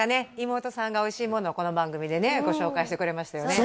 妹さんがおいしいものをこの番組でねご紹介してくれましたよね？